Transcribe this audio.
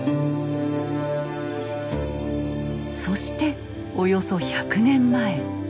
そしておよそ１００年前。